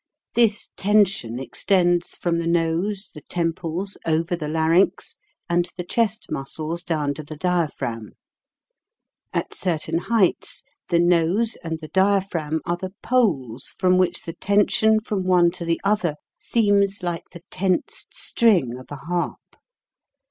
This tension extends from the nose, the temples, over the larynx, and the chest muscles down to the diaphragm. At certain heights the nose and the diaphragm are the poles from which the tension from one to the other seems like the tensed string of a harp.